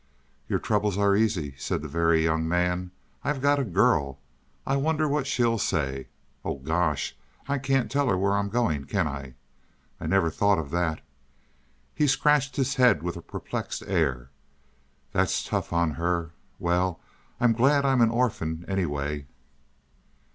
"Your troubles are easy," said the Very Young Man. "I've got a girl. I wonder what she'll say. Oh, gosh, I can't tell her where I'm going, can I? I never thought of that." He scratched his head with a perplexed air. "That's tough on her. Well, I'm glad I'm an orphan, anyway."